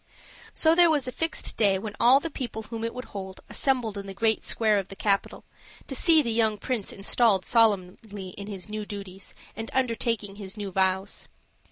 So there was a fixed day when all the people whom it would hold assembled in the great square of the capital, to see the young prince installed solemnly in his new duties, and undertaking his new vows.